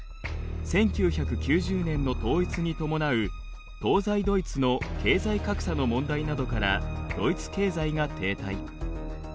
１９９０年の統一に伴う東西ドイツの経済格差の問題などからドイツ経済が停滞。